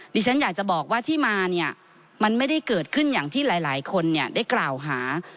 ดิฉันอยากจะบอกว่าที่มาเนี่ยมันไม่ได้เกิดขึ้นอย่างที่หลายคนเนี่ยได้กล่าวหา